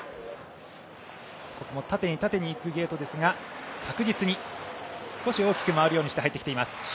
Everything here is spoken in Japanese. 縦に縦にいくゲートですが確実に少し大きく回るようにして入ってきています。